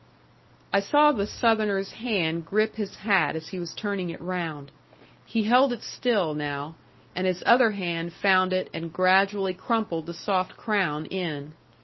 I saw the Southerner's hand grip his hat as he was turning it round. He held it still now, and his other hand found it and gradually crumpled the soft crown in.